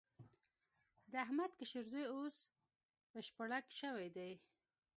د احمد کشر زوی اوس بشپړک شوی دی.